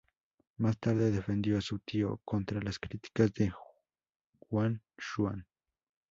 Más tarde, defendió a su tío contra las críticas de Huan Xuan.